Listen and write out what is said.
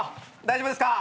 大丈夫ですか？